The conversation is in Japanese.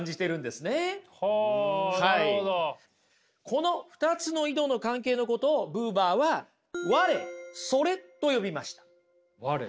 この２つの井戸の関係のことをブーバーは「我−それ」と呼びました。